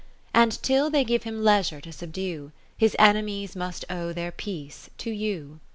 And till they give him leisure to subdue. His enemies must owe their peace to you.